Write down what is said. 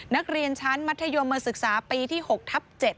นักเรียนชั้นมัธยมศึกษาปีที่๖ทับ๗